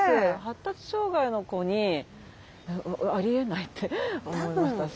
発達障害の子にありえないって思いました。